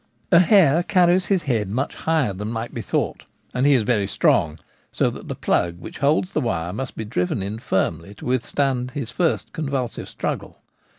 A hare carries his head much higher than might be thought ; and he is very strong, so that the plug which holds the wire must be driven in firmly to withstand his first convulsive struggle.